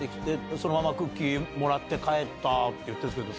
そのままクッキーもらって帰ったって言ってるんですけど。